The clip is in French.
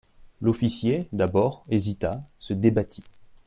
L'officier, d'abord, hésita, se débattit.